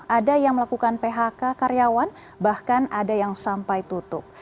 ada yang melakukan phk karyawan bahkan ada yang sampai tutup